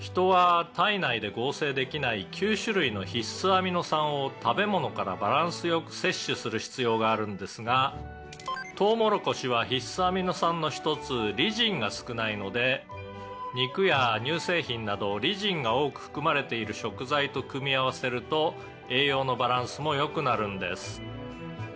アミノ酸を食べ物からバランス良く摂取する必要があるんですがとうもろこしは必須アミノ酸の一つリジンが少ないので肉や乳製品などリジンが多く含まれている食材と組み合わせると栄養のバランスも良くなるんです」